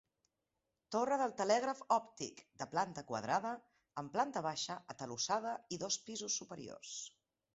Torre del telègraf òptic, de planta quadrada, amb planta baixa atalussada i dos pisos superiors.